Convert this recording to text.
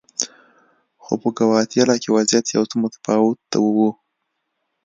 خو په ګواتیلا کې وضعیت یو څه متفاوت و.